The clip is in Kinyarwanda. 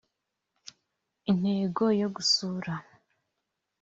Intego yo gusura